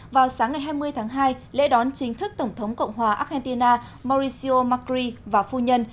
vào sáng ngày hai mươi tháng hai lễ đón chính thức tổng thống cộng hòa argentina mauricio macri và phu nhân